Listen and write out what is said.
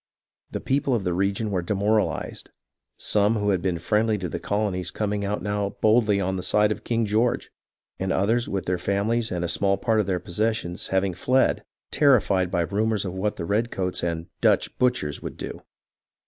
The people of the region were demoralized, some who had been friendly to the colonies coming out now boldly on the side of King George, and others with their families and a small part of their possessions having fled, terrified by ru mours of what the redcoats and "■ Dutch butchers " would do.